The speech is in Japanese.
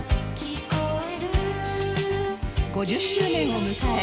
５０周年を迎え